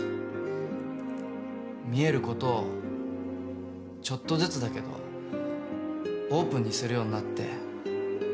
「見える」ことをちょっとずつだけどオープンにするようになって。